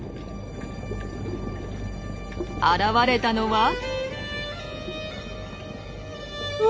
現れたのはうわ！